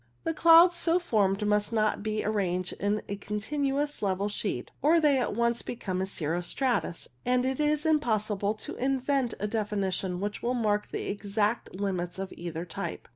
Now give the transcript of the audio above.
The clouds so formed must not be arranged in a continuous level sheet, or they at once become cirro stratus, and it is impossible to invent a definition which will mark the exact limits of either type.